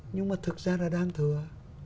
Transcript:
nhưng mà thực ra là đang thừa